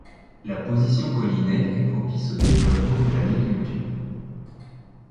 La position collinaire est propice au développement de l'agriculture.